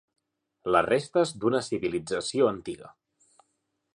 Les restes d'una civilització antiga.